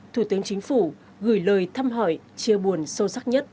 thủ tướng chính phủ gửi lời thăm hỏi chia buồn sâu sắc nhất